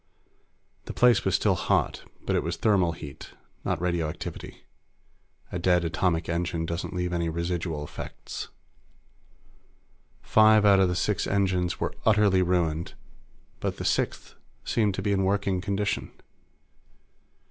The place was still hot, but it was thermal heat, not radioactivity. A dead atomic engine doesn't leave any residual effects. Five out of the six engines were utterly ruined, but the sixth seemed to be in working condition.